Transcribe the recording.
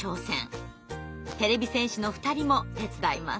てれび戦士の２人も手伝います。